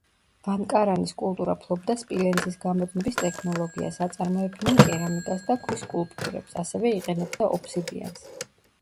ვანკარანის კულტურა ფლობდა სპილენძის გამოდნობის ტექნოლოგიას, აწარმოებდნენ კერამიკას და ქვის სკულპტურებს, ასევე იყენებდა ობსიდიანს.